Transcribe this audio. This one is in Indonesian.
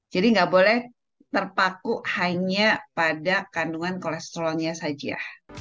jadi nggak boleh terpaku hanya pada kandungan kolesterolnya saja